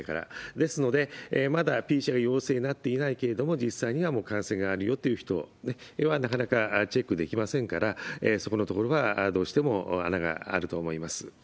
ですので、まだＰＣＲ陽性になっていないけれども、実際にはもう感染があるよという人たち、なかなかチェックできませんから、そこのところはどうしても穴があると思います。